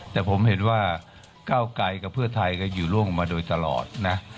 แต่ผมเห็นว่าก้าวไกลกับเพื่อไทยก็อยู่ร่วมมาโดยตลอดนะ